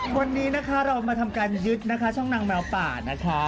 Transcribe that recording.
วันนี้นะคะเรามาทำการยึดนะคะช่องนางแมวป่านะคะ